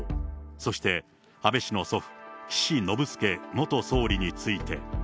そして、安倍氏の祖父、岸信介元総理について。